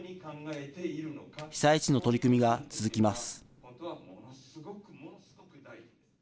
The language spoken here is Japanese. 被災地の取り組みが続きます。